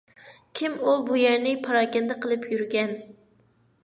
كىم ئۇ، بۇ يەرنى پاراكەندە قىلىپ يۈرگەن !؟